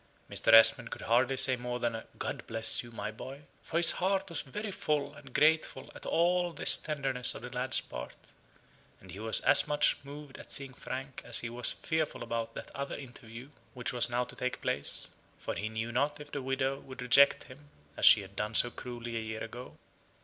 Mr. Esmond could hardly say more than a "God bless you, my boy," for his heart was very full and grateful at all this tenderness on the lad's part; and he was as much moved at seeing Frank as he was fearful about that other interview which was now to take place: for he knew not if the widow would reject him as she had done so cruelly a year ago.